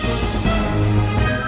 ember bakannya sama dengan teria interesting